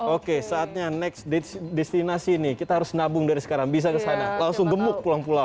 oke saatnya next destinasi ini kita harus nabung dari sekarang bisa ke sana langsung gemuk pulang pulau